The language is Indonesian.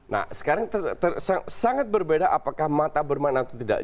nah sekarang sangat berbeda apakah mata bermain atau tidak